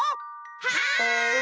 はい！